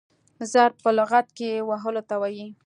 ضرب په لغت کښي وهلو ته وايي.